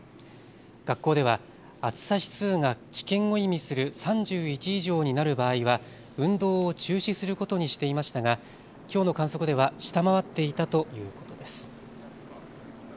学校では暑さ指数が危険を意味する３１以上になる場合は運動を中止することにしていましたがきょうの観測では下回っていたということです。